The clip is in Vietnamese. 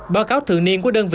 báo cáo thường niên của đơn vị